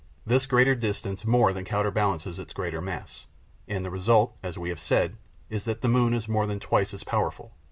This greater distance more than counterbalances its greater mass, and the result, as we have said, is that the moon is more than twice as powerful.